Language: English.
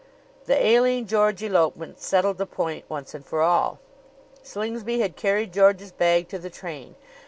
The Aline George elopement settled the point once and for all. Slingsby had carried George's bag to the train.